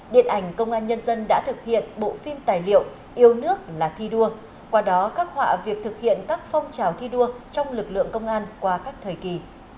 điện ảnh công an nhân dân đã thực hiện bộ phim tài liệu yêu nước là thi đua qua đó khắc họa việc thực hiện các phong trào thi đua trong lực lượng công an qua các thời kỳ